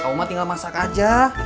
bumbunya tinggal masak aja